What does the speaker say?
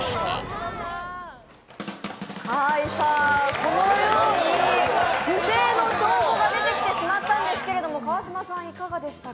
このように不正の証拠が出てきてしまたというんですけど川島さん、いかがでしたか？